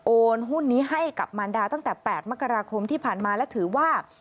หุ้นนี้ให้กับมารดาตั้งแต่๘มกราคมที่ผ่านมาและถือว่า